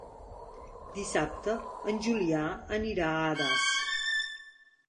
Dissabte en Julià anirà a Das.